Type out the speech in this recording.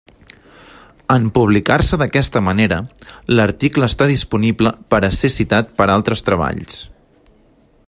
En publicar-se d'aquesta manera, l'article està disponible per a ser citat per altres treballs.